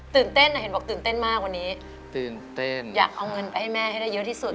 เต้นอ่ะเห็นบอกตื่นเต้นมากวันนี้ตื่นเต้นอยากเอาเงินไปให้แม่ให้ได้เยอะที่สุด